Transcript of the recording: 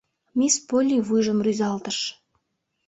Мисс Полли вуйжым рӱзалтыш.